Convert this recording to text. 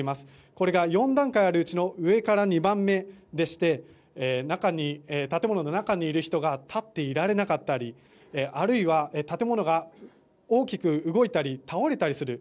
これが４段階あるうちの上から２番目でして建物の中にいる人が立っていられなかったりあるいは、建物が大きく動いたり倒れたりする